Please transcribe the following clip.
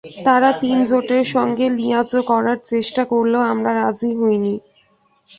তারা তিন জোটের সঙ্গে লিয়াজোঁ করার চেষ্টা করলেও আমরা রাজি হইনি।